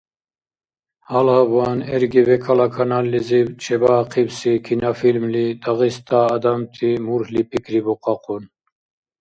Гьалабван РГВК-ла каналлизиб чебаахъибси кинофильмли Дагъиста адамти мурхьли пикрибухъахъун.